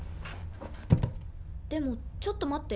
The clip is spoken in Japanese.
でもちょっと待って。